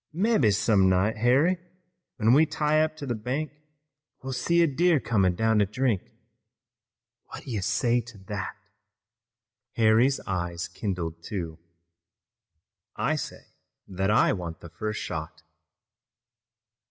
Mebbe some night, Harry, when we tie up to the bank, we'll see a deer comin' down to drink. What do you say to that?" Harry's eyes kindled, too. "I say that I want the first shot."